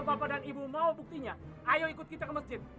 bapak dan ibu mau buktinya ayo ikut kita ke masjid